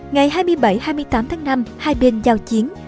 ngày hai mươi bảy hai mươi tám tháng năm hai bên giao chiến